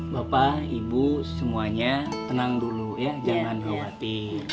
bapak ibu semuanya tenang dulu ya jangan khawatir